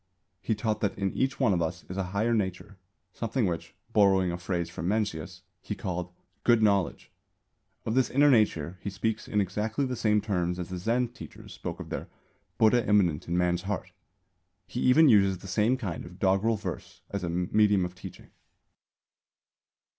He taught that in each one of us is a "higher nature," something which, borrowing a phrase from Mencius, he called "Good Knowledge." Of this inner nature he speaks in exactly the same terms as the Zen teachers spoke of their "Buddha immanent in man's heart." He even uses the same kind of doggerel verse as a medium of teaching.